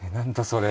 それ。